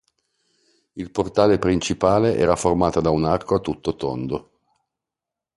Il portale principale era formato da un arco a tutto tondo.